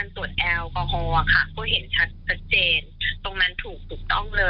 แล้วคุณแจรถอยู่ในคือของผม